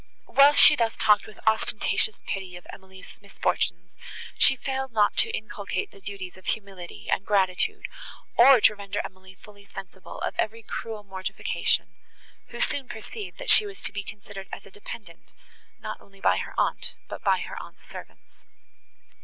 While she thus talked with ostentatious pity of Emily's misfortunes, she failed not to inculcate the duties of humility and gratitude, or to render Emily fully sensible of every cruel mortification, who soon perceived, that she was to be considered as a dependant, not only by her aunt, but by her aunt's servants.